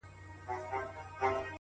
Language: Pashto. هغه خو ټوله ژوند تاته درکړی وو په مينه’